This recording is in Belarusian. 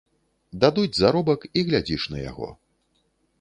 Дадуць заробак і глядзіш на яго.